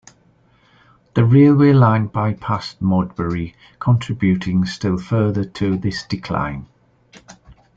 The railway line bypassed Modbury, contributing still further to this decline.